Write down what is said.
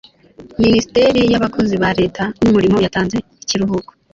Minisiteri y Abakozi ba Leta n Umurimo yatanze ikiruhuko